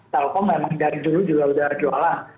telkom memang dari dulu juga udah jualan